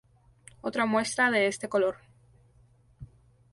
Otra muestra de este colorː